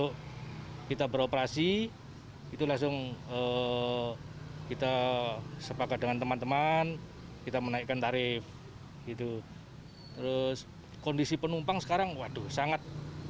kita sepakat dengan teman teman kita menaikkan tarif gitu terus kondisi penumpang sekarang waduh sangat